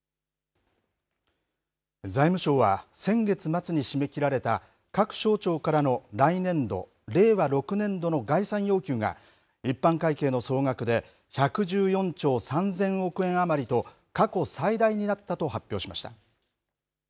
財務省は、先月末に締め切られた各省庁からの来年度・令和６年度の概算要求が、一般会計の総額で、１１４兆３０００億円余りと、過去最大になったと発表しました。